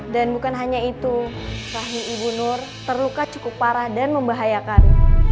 dan bukan hanya itu rahim ibu nur terluka cukup parah dan membahayakan